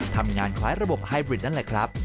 ทำงานคล้ายระบบไฮบรินนั่นแหละครับ